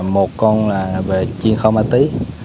một con là về chiên kho má tý